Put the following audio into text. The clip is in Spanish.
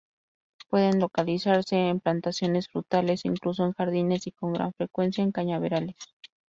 Pueden localizarse en plantaciones frutales, incluso en jardines, y con gran frecuencia en cañaverales.